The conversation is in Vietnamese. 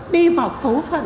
đi vào số phận